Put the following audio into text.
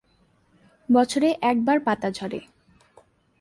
বছরে একবার পাতা ঝরে।